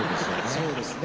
そうですね。